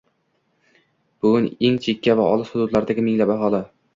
Bugun eng chekka va olis hududlardagi minglab aholi